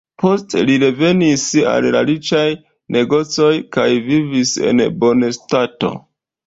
Poste li revenis al la riĉaj negocoj kaj vivis en bonstato.